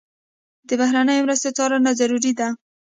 د بهرنیو مرستو څارنه ضروري ده.